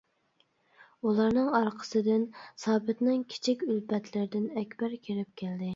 ئۇلارنىڭ ئارقىسىدىن سابىتنىڭ كىچىك ئۈلپەتلىرىدىن ئەكبەر كىرىپ كەلدى.